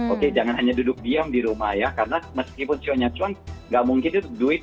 oke jangan hanya duduk diam di rumah ya karena meskipun sionya cuan gak mungkin itu duit